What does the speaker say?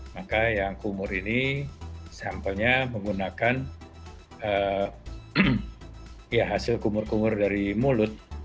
maka yang kumur ini sampelnya menggunakan hasil kumur kumur dari mulut